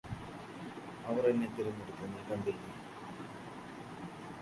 അവർ എന്നെ തിരഞ്ഞെടുത്തു നീ കണ്ടില്ലേ